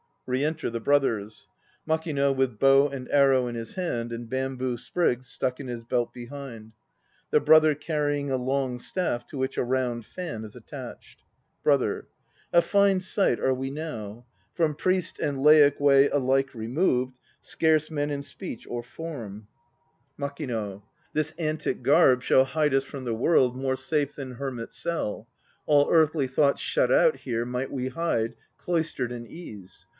(Re enter the Brothers: MAKING with bow and arrow in his hand and bamboo sprigs stuck in his belt behind; the BROTHER carrying a long staff to which a round fan is attached.) BROTHER. A fine sight are we now! From priest and laic way alike removed, Scarce men in speech or form! 168 THE NO PLAYS OF JAPAN MAKING. This antic garb shall hide us from the World More safe than hermit cell; All earthly thoughts shut out here might we bide Cloistered in ease.